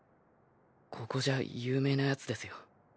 ここじゃ有名な奴ですよ。